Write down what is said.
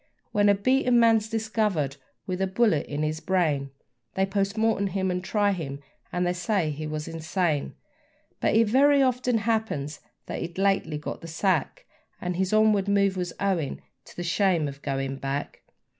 When a beaten man's discovered with a bullet in his brain, They POST MORTEM him, and try him, and they say he was insane; But it very often happens that he'd lately got the sack, And his onward move was owing to the shame of going back.